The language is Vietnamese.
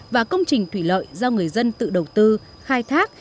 và công trình thủy lợi do người dân tự đầu tư khai thác